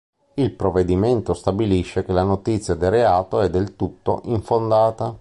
Il provvedimento stabilisce che la notizia del reato è "del tutto infondata".